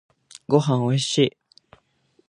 ごはんおいしい。